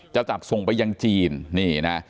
จะจัดส่งไปยังจีน